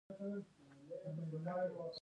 مډال چا ته ورکول کیږي؟